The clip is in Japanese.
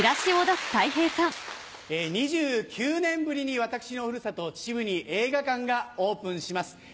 ２９年ぶりに私のふるさと秩父に映画館がオープンします。